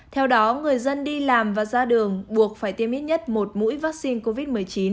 theo đó người dân đi làm và ra đường buộc phải tiêm ít nhất một mũi vaccine covid một mươi chín